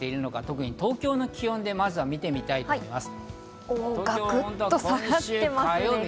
特に東京の気温でまず見てみたいと思います。